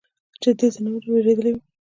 چې د دې ځناورو نه وېرېدلے وي ؟